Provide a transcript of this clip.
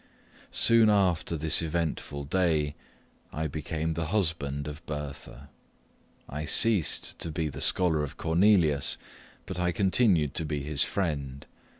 Soon after this eventful day, I became the husband of Bertha. I ceased to be the scholar of Cornelius, but I continued his friend.